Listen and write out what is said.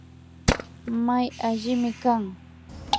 May allimi kan